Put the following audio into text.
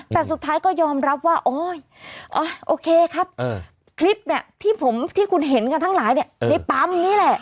แต่สุดท้ายก็ยอมรับว่าโอ๊ยโอเคครับคลิปเนี่ยที่ผมที่คุณเห็นกันทั้งหลายในปั๊มนี่แหละ